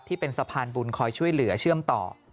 ที่เป็นสะพานบุญคอยช่วยเหลือเชื่อมต่อ